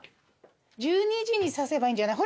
１２時に指せばいいんじゃない？